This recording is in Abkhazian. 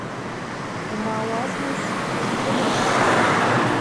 Умаауаз нас, узкыдаз?